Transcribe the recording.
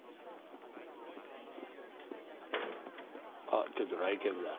あっちょっと来客だ。